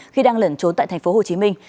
khi đang lẩn trốn tại tp hồ chí minh